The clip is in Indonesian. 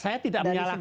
saya tidak menyalahkan